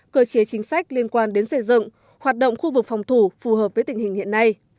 cơ chế chính sách liên quan đến xây dựng hoạt động khu vực phòng thủ phù hợp với tình hình hiện nay